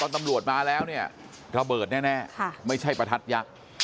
ตำรวจมาแล้วเนี่ยระเบิดแน่ไม่ใช่ประทัดยักษ์